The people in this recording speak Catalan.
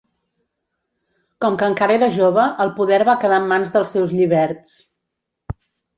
Com que encara era jove el poder va quedar en mans dels seus lliberts.